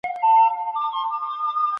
وخت د هر انسان امتحان دی